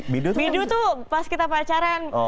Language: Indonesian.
midu tuh pas kita pacaran